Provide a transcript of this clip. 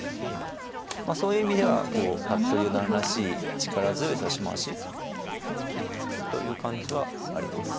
そういう意味では服部四段らしい力強い指し回しという感じはあります。